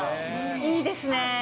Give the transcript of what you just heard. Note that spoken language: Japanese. いいですね。